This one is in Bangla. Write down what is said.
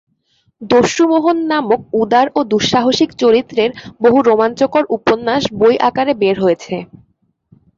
দস্যু মোহন নামক উদার ও দু; সাহসিক চরিত্রের বহু রোমাঞ্চকর উপন্যাস বই আকারে বের হয়েছে।